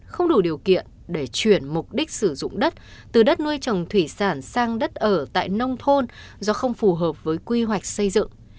không đủ điều kiện để chuyển mục đích sử dụng đất từ đất nuôi trồng thủy sản sang đất ở tại nông thôn do không phù hợp với quy hoạch xây dựng